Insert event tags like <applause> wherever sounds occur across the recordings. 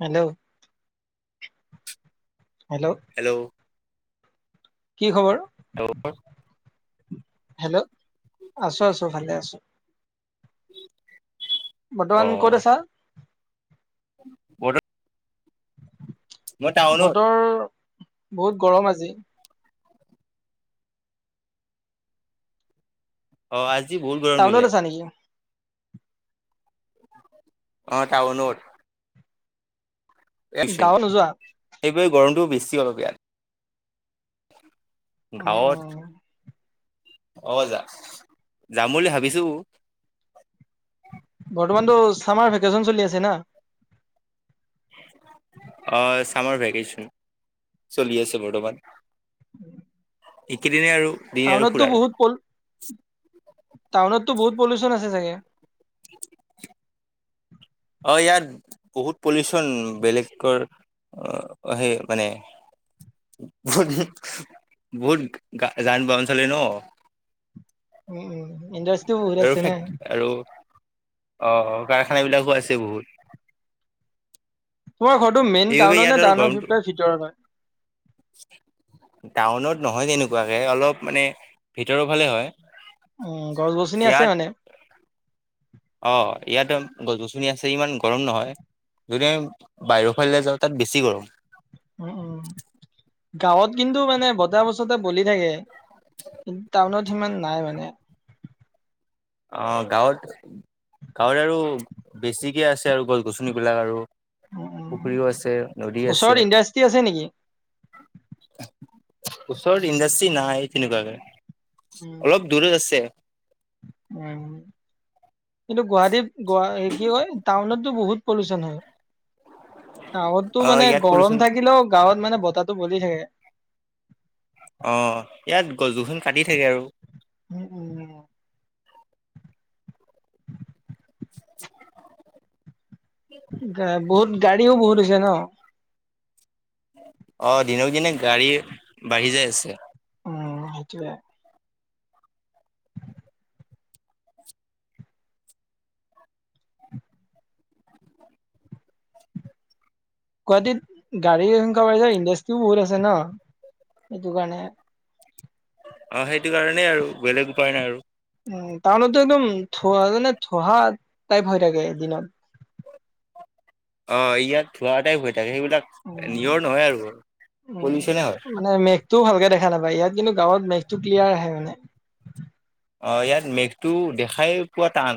Hello hello. Hello. কি খবৰ? <inaudible> Hello আছো, আছো ভালে আছো। বৰ্তমান ক'ত আছা? ব <unintelligible> টাউনত বতৰ বহুত গৰম আজি। অ', আজি বহুত গৰম টাউনত দিলে। আছা নেকি অ', টাউনত। গাঁৱত নোযোৱা সেইবাবে গৰমটোও বেছি অলপ ইয়াত। অ অ গাঁৱত অ', যা যাম বুলি ভাবিছোঁ। বৰ্তমান টো চামাৰ ভেকেচন চলি আছে না অ', চামাৰ ভেকেচন চলি আছে বৰ্তমান উম <inaudible> এইকেইদনেই আৰু দিন আৰু টাউনতো ফুৰাৰ বহুত টাউনততো বহুত পলিউচন আছে চাগে <inaudible> অ', ইয়াত বহুত পলিউচন বেলেগৰ অ', সেই মানে বহুত, বহুত যান বাহন ন। উম, উম ইনট্ৰাদাষ্টী বহত আৰু আছে ফেক নে। আৰু অ', কাৰখানাবিলাকো আছে বহুত। তোমাৰ ঘৰটো মেইন সেইবাবে টাউত ইয়াত নে আৰু টাউনৰ গৰমটো ভিতৰত হয়। <inaudible> টাউনত নহয় তেনেকুৱাকে অলপ মানে ভিতৰৰ ফালে হয়। উ, গছ গছনি আছে ইয়াত মানে। অ', ইয়াত গছ গছনি আছে ইমান গৰম নহয়। যদি আমি বাহিৰৰ ফালে যাওঁ তাত বেছি গৰম। উম উম <inaudible> গাঁৱত কিন্তু মানে বতাহ বছতে বলি থাকে। টাউনত সিমান নাই মানে। অ', গাঁৱত গাঁওত আৰু বেছিকে আছে আৰু গছ গছনি বিলাক আৰু উম উম পুখুৰীও আছে নদী ওচৰত আছে ইণ্ডাষ্ট্ৰি আছে নেকি ওচৰত ইণ্ডাষ্ট্ৰি নাই তেনেকুৱাকে উম অলপ দূৰৰত আছে। উম, কিন্তু গুৱাহাটীত গ কি হয়। টাউনতো বহুত পলিউচন হয় টাউনতটো অ মানে ইয়াত গৰম পলিউচন থাকিলেও গাঁৱত মানে বতাহটো বলি থাকে অ', ইয়াত গছ গছনি কাটি থাকে আৰু। উম, উম, উম। <unintelligible> বহুত গাড়ীও বহুত হৈছে ন। অ', দিনক দিনে গাড়ী বাঢ়ি যাই আছে। উম, সেইটোৱে। গুৱাহাটীত গাড়ী সংখ্যা পাইছে ইণ্ডাষ্ট্ৰিও বহুত আছে ন সেইটো কাৰণে অ', সেইটো কাৰণেই আৰু বেলেগ উপায় নাই আৰু উ টাউনটো মানততো একদম ধোহা মানে ধোহা টাইপ হৈ থাকে দিনত অ', ইয়াত ধোৱা এটাই হৈ থাকে সেইবিলাক উম, নিয়ৰ নহয় আৰু উম, পলিউচনে হয় মানে মে তো ভালকে দেখা নাপায় ইয়াত কিন্তু গাঁৱত মেঘটো ক্লিয়াৰ আহে অ', ইয়াত মেঘটো দেখাই পোৱা টান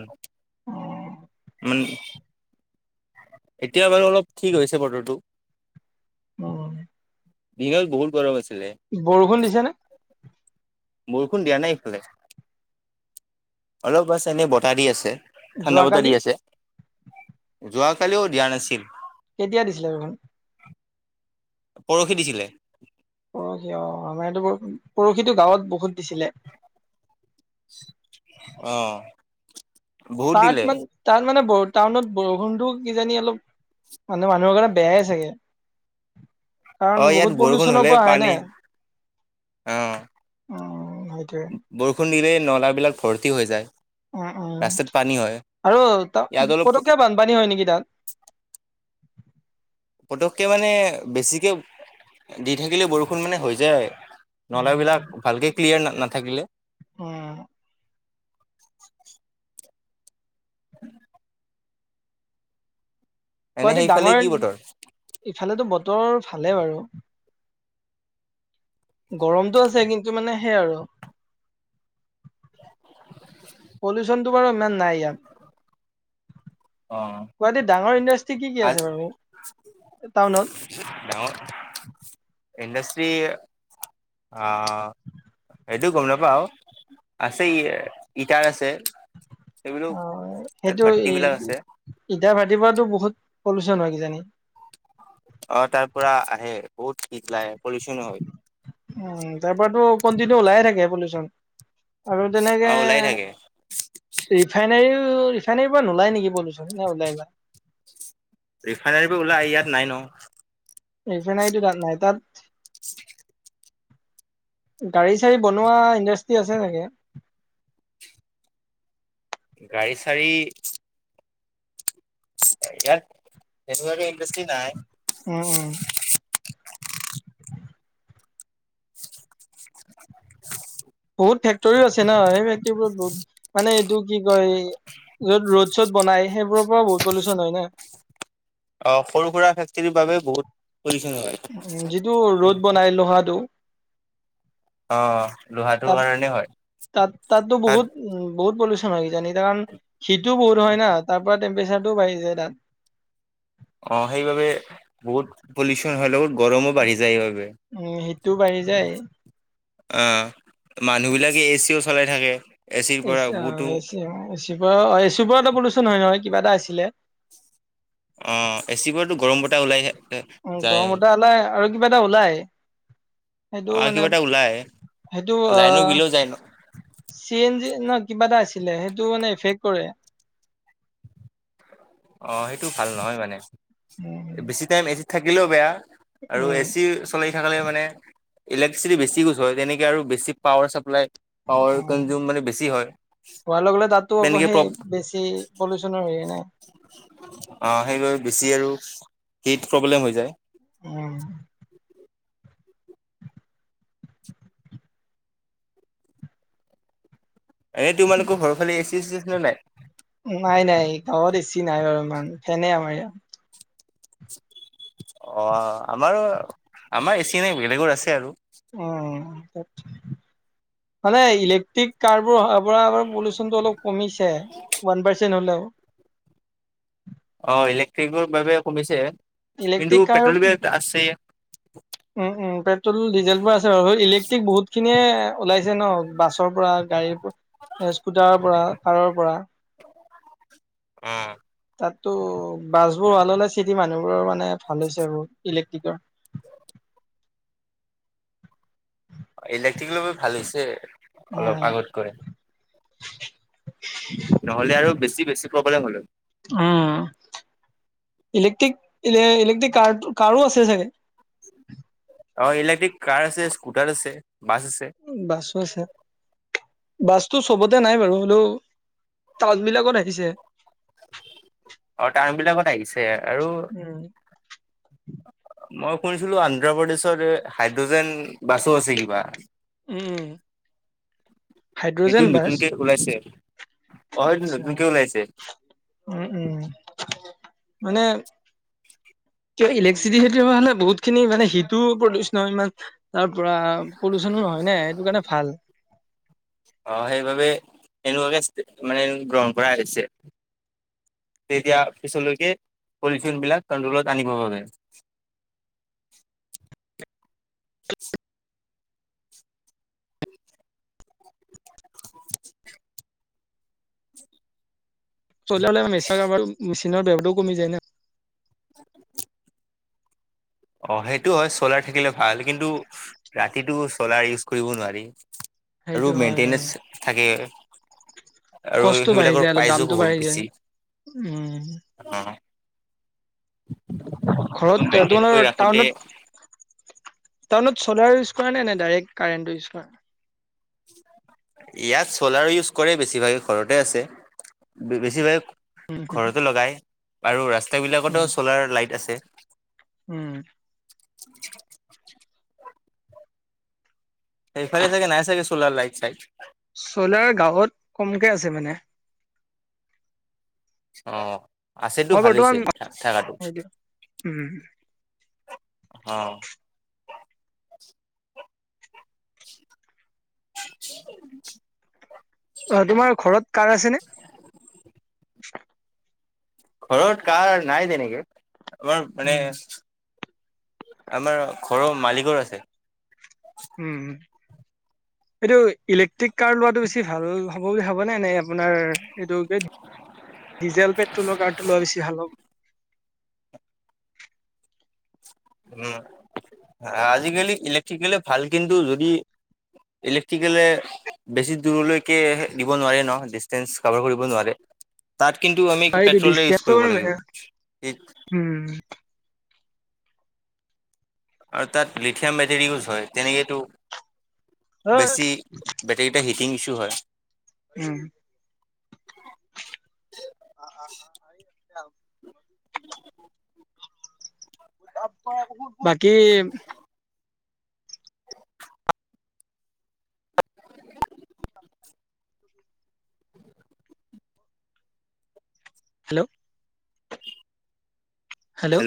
অ'। <unintelligible> এতিয়া বাৰু অলপ ঠিক হৈছে বতৰটো। অহ। দিনত বহুত গৰম আছিলে। বৰষুণ দিছে নে? বৰষুণ দিয়া নাই এইফালে। অলপ আছে এনেই বতাহ দি আছে, ঠাণ্ডা বতাহ যোৱাকালি দি আছে। যোৱাকালিও দিয়া নাছিল। কেতিয়া দিছিলে বৰষুণ? পৰশি দিছিলে। পৰশি অহ, আমাৰ ইয়াটো বৰষুণ পৰশিতো গাঁৱত বহুত দিছিলে। অহ। তাত মান তাত মানে ব টাউনত বৰষুণতটো কিজানি অলপ মানে মানুহৰ কাৰণে বেয়াই চাগে। <unintelligible> কাৰণ অহ, ইয়াত বহুত বৰষুণ পলিউচনৰ হ'লেই পৰা আহে নে পানী, উম সেইটোৱে অহ। বৰষুণ দিলেই নলাবিলাক ভৰ্তি হৈ যায়। উম', ৰাস্তাত পানী হয় উম' আৰু ইয়াত তাত অলপ পতককে বানপানী হয় নেকি তাত? পতককে মানে বেছিকে দি থাকিলে বৰষুণ মানে হৈ যায়। উম নলাবিলাক ভালকে ক্লিয়াৰ নাথাকিলে। উম। <unintelligible> এনে গুৱাহাটী সেইফালে কি ডাঙৰ! বতৰ ইফালেতো বতৰ ভালে বাৰু। গৰমটো আছে কিন্তু মানে সেই আৰু। পলিউশনটো বাৰু ইমান নাই ইয়াত। অ গুৱাহাটীত ডাঙৰ ইণ্ডাষ্ট্ৰি কি কি আছে বাৰু টাউনত? ডাঙৰ ইণ্ডষ্ট্ৰি অ সেইটো গম নাপাওঁ আছে ই-ইটাৰ আছে। অ সেইবিলাক তাত সেইটো ই ভাৰ্টিবিলাক আছে। ইটা ভাটিৰ পৰাতো বহুত পলুচন হয় কিজানি? অহ, তাৰ পৰা আহে বহুত হীত ওলাই পলিউচন হয়। উম, তাৰ পৰাতো কন্টিনিউ ওলাই থাকে পলিউচন আৰু অ তেনেকে ওলাই থাকে ৰিফাইনেৰী ৰিফাইনেৰীৰ পৰা নোলাই নেকি পলিউচোন নে ওলাই বা। ৰিফাইনোৰী পৰা ওলাই ইয়াত নাই ন'। ৰিফাইনেৰীটো তাত নাই, তাত গাড়ী-চাড়ী বনোৱা ইণ্ডাষ্ট্ৰি আছে চাগে? গাড়ী-চাড়ী ইয়াত তেনেকুৱা ইণ্ডষ্ট্ৰী নাই। উম', উম'। বহুত ফেক্টৰীও আছে ন'। সেই ফেক্টৰীবোৰত বহুত মানে এইটো কি কয়? য'ত ৰদ-চদ বনাই সেইবোৰৰ পৰা বহুত পলিউচন হয় না। অহ, সৰু-সুৰা ফেক্টৰীৰ বাবে বহুত পলিউচন হয়। উম, যিটো ৰদ বনাই লোহাটো। অহ, লোহাটোৰ তাত কাৰণে হয়। তাততো বহুত তাত উম, বহুত পলিউচন হয় কিজানিয়া কাৰণ হীতটো বহুত হয় না, তাৰপৰা টেম্পেচাতোও বাঢ়ি যায় তাত। অহ, সেইবাবে বহুত পলিউচন হ'লেও গৰমো বাঢ়ি সেইবাবে। উম, হিটটো বাঢ়ি যায় অহ, মানুহবিলাকে এ চিও চলাই থাকে এ চিৰ পৰা বহুতো এ চিপ পৰাওঁ অহ, এ চিৰ পৰা এটা পলিউচন হয় নহয় কিবা এটা আছিলে। অহ, এ চিবোৰতো গৰম বতাহ ওলাই উ, যায় গৰমত ওলাই আৰু কিবা এটা ওলাই। সেইটো অ', মানে কিবা এটা ওলাই সেইটো লাইনো আহ বিলো যায় ন চি এন জ ন কিবা এটা আছিলে সেইটো মানে এফেক্ট কৰে। হয়। অ' সেইটো ভাল নহয় মানে উম বেছি টাইম এচিত থাকিলেও বেয়া আৰু এ উম চি চলি থাকে মানে ইলেক্ট্ৰিচিটি বেছি গুজ হয় তেনেকে আৰু বেছি পাৱাৰ চাপ্লাই পাৱাৰ উম কনজিউম মানে বেছি হয় হোৱাৰ লগে লগে তাতো আকৌ তেনেকে সেই বেছি পলিুচনৰ হয়ে নাই। অ' সেইবাবে বেছি আৰু হীট প্ৰব্লেম হৈ যায়। উম। এ তোমালোকৰ ঘৰৰ এ চি থেচিছ আছে নে নাই? নাই নাই গাঁৱত এচি নাই বাৰু ইমান ফেনে আমাৰ ইয়াত। অ' আমাৰো আমাৰ এচি নাই বেলেগৰ আছে আৰু। অ' মানে ইলেক্ট্ৰিক কাৰবোৰ অহাৰ পৰা আমাৰ পলিউচনটো অলপ কমিছে ওৱান পাৰ্চেণ্ট হলেও। অ' ইলেক্ট্ৰিকৰ বাবে কমিছে ইলেক্ট্ৰিক কিন্তু কাৰ পেট্ৰল বিলাক আছেএ উম, উম পেট্ৰল ডিজেলবোৰ আছে বাৰু ইলেক্ট্ৰিক বহুত খিনিয়ে ওলাইছে ন বাছৰ পৰা গাড়ীৰ পৰা। স্কুটাৰৰ পৰা কাৰৰ পৰা। অ'। তাতো বাছবোৰ অহাৰ লগে লগে চিটি মানুহবোৰৰ মানে ভাল হৈছে বোৰ ইলেক্ট্ৰিকৰ ইলেক্ট্ৰিকৰ বাবে ভাল হৈছে অলপ আগতকৈ। নহ'লে আৰু বেছি বেছি প্ৰব্লেম হ'লহৈ। উম, ইলেক্ট্ৰিক ইলে ইলেক্ট্ৰিক কাৰ কাৰো আছে চাগে। অ' ইলেক্ট্ৰিক কাৰ আছে স্কুটাৰ আছে বাছ আছে। উ বাছো আছে। বাছটো চবতে নাই বাৰু হলেও তাছ বিলাকত আহিছে। অ' টাউন বিলাকত আহিছে আৰু উম, মই শুনিছিলো আন্ধ্ৰপ্ৰদেশত এ হাইড্ৰজেন বাছো আছে কিবা। উম। এইটো হাইড্ৰজেন বাছ নতুনকে ওলাইছে অ' এইটো আচ্ছা নতুনকে ওলাইছে। উম, উম মানে ইলেক্ট্ৰিচিট হোৱা হ'লে বহুত খিনি মানে হিটো প্ৰদুষ নহয় ইমান। তাৰ পৰা পলিউচনো নহয় নে সেইটো কাৰণে ভাল। অ' সেইবাবে এনেকুৱাকে মানে গ্ৰহণ কৰা হৈছে। তেতিয়া পিছলৈকে পলিউচন বিলাক কন্ট্ৰলত আনিব পাৰে। চলিয় হ'লে আৰ মেচাৰ কাৰবাৰ মেচিনৰ বেহটোও কমি যায় না। <inaudible> অ' সেইটো হয় চলাৰ থাকিলে ভাল কিন্তু ৰাতিটো চ'লাৰ ইউজ কৰিব নোৱাৰি। আৰু সেইটো হয় বাৰু। মেইনটেনেন্স থাকে। আৰু কষ্টটো বাঢ়ি সেইবিলাকৰ যায় অলপ প্ৰাইজো দামটো বহুত বাঢ়ি যায় বেছি। উম। ঘৰত মেইনটেইন কৰি তোমালোকৰ ৰাখোতে টাউনত টাউনত চ'লাৰ ইউজ কৰা নে নাই ডাইৰেক্ট কাৰেণ্টটো ইউজ কৰা? ইয়াত চ'লাৰ ইউজ কৰে বেছিভাগে ঘৰতে আছে বেছিভাগে উম ঘৰতো লগাই আৰু ৰাস্ত বিলাকতো উম চলাৰ লাইট আছে। উম। সেইফালে চাগে নাই চাগে ছোলাৰ লাইট চাইট। চলাৰ গাঁৱত কমকে আছে মানে। অ' আছেটো মই ভাল হৈছে বৰ্তমান থাকাটো। সেইটো উম অ'। <inaudible> অ', তোমাৰ ঘৰত কাৰ আছেনে? ঘৰত কাৰ নাই তেনেকে, আমাৰ মানে উম আমাৰ ঘৰৰ মালিকৰ আছে। উম, এইটো ইলেক্ট্ৰিক কাৰ লোৱাটো বেছি ভাল হ'ব বুলি ভাবানে নে এনে? আপোনাৰ এইটো ডিজেল পেট্ৰলৰ কাৰটো লোৱা বেছি ভাল হ'ব? উম, আজিকালি ইলেক্ট্ৰিকেলে ভাল কিন্তু যদি ইলেক্ট্ৰিকেলে বেছি দূৰলৈকে দিব নোৱাৰে ন ডিচটেঞ্চ কাভাৰ কৰিব নোৱাৰে। তাত কিন্তু আমি এইটো পেট্ৰলে ইউজ কৰিব লাগিব। হুম। আৰু তাত লিথিয়াম মেটাৰ‌ ইউজ হয়, তেনেকেটো উম বেছি বেটেৰিটো হিটিং ইছু হয়। উম। অ', অ' <unintelligible> বাকী হেল্ল' হেল্ল',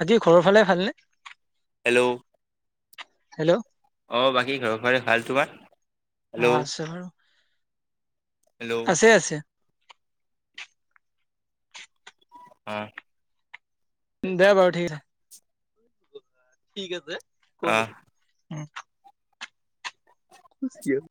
বাকী ঘৰৰ ফালে ভালনে? হেল্ল' হেল্ল' অ', বাকী ঘৰৰ ঘৰে ভাল, তোমাৰ? অ', হেল্ল' আছোঁ <unintelligible> হেল্ল' আছে, আছে। অ'। উম', দে বাৰু ঠিক আছে। ঠিক আছে, অ <unintelligible> <unintelligible>